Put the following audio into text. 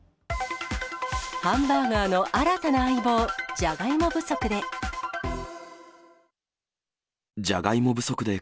ハンバーガーの新たな相棒、じゃがいも不足で。